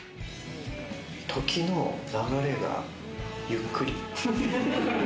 時の流れがゆっくり。